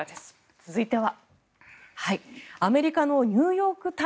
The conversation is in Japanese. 続いては。